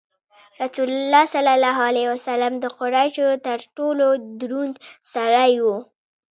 رسول الله د قریشو تر ټولو دروند سړی و.